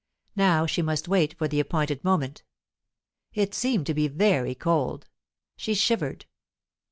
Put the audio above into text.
Now she must wait for the appointed moment. It seemed to be very cold; she shivered.